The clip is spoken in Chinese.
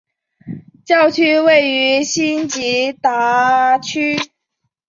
教区位于辛吉达区。